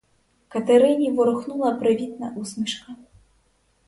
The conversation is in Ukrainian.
Катерині ворухнула привітна усмішка.